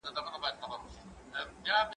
زه پرون سړو ته خواړه ورکوم؟!